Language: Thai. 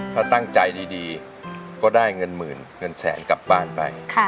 ถ้าตั้งใจดีก็ได้เงินหมื่นเงินแสนกลับบ้านไป